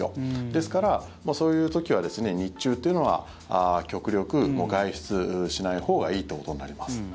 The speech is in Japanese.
ですから、そういう時は日中というのは極力、外出しないほうがいいってことになります。